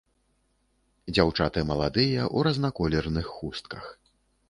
Дзяўчаты маладыя, у разнаколерных хустках.